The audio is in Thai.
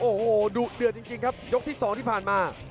โอ้โหดุเดือดจริงครับยกที่๒ที่ผ่านมา